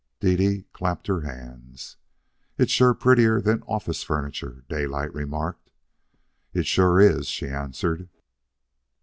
Dede clapped her hands. "It's sure prettier than office furniture," Daylight remarked. "It sure is," she answered.